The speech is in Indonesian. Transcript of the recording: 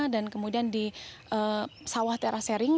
dan kemudian di sawah tera sering